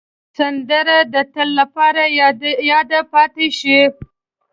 سندره د تل لپاره یاده پاتې شي